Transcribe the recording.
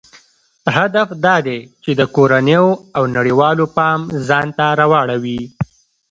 هدف دا دی چې د کورنیو او نړیوالو پام ځانته راواړوي.